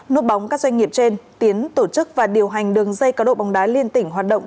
nốt bóng các doanh nghiệp trên tiến tổ chức và điều hành đường dây cá đụ bông đá liên tỉnh hoạt động